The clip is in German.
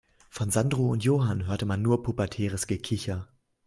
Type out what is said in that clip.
Von Sandro und Johann hörte man nur pubertäres Gekicher.